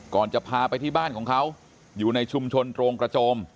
จะพาไปที่บ้านของเขาอยู่ในชุมชนโรงกระโจม